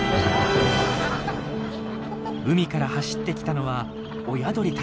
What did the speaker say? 海から走ってきたのは親鳥たち。